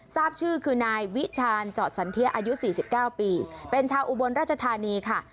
ทราบชื่อคือนายวิชาญเจาะสันเทียอายุ๔๙ปีเป็นชาวอุบลราชธานีค่ะ